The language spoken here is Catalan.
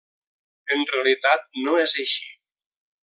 En realitat, no és així.